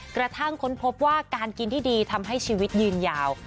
ค้นพบว่าการกินที่ดีทำให้ชีวิตยืนยาว